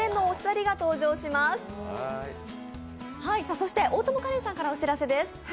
そして大友花恋さんからお知らせです。